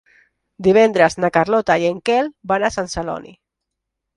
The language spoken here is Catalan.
Divendres na Carlota i en Quel van a Sant Celoni.